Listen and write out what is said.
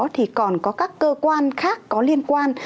thì còn có các cơ quan khác có liên quan